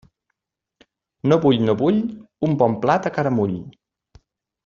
No vull, no vull, un bon plat a caramull.